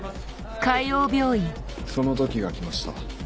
その時が来ました